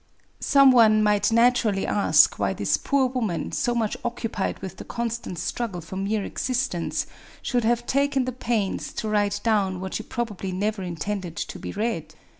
Some one might naturally ask why this poor woman, so much occupied with the constant struggle for mere existence, should have taken the pains to write down what she probably never intended to be read.